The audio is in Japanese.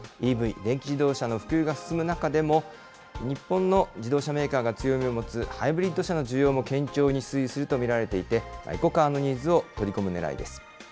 ＥＶ・電気自動車の普及が進む中でも日本の自動車メーカーが強みを持つハイブリッド車の需要も堅調に推移すると見られていて、エコカーのニーズを取り込むねらいです。